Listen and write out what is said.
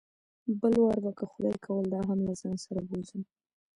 بل وار به که خدای کول دا هم له ځان سره بوځم.